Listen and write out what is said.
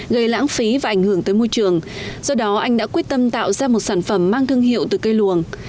gây lãng phí và ảnh hưởng tới môi trường do đó anh đã quyết tâm tạo ra một sản phẩm mang thương hiệu từ cây luồng